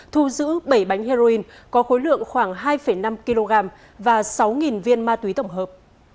thu giữ bảy bánh heroin có khối lượng khoảng hai năm kg và sáu viên ma túy tổng hợp